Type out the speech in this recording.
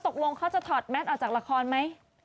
ตกลงเขาจะถอดแมทออกจากละครไหม